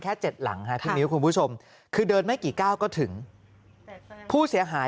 แค่๗หลังคุณผู้ชมคือเดินไม่กี่ก้าวก็ถึงผู้เสียหาย